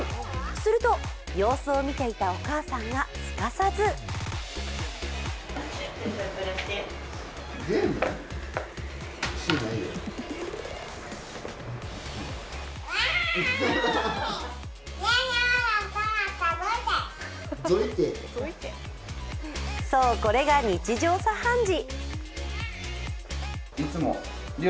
すると様子を見ていたお母さんがすかさずそう、これが日常茶飯事。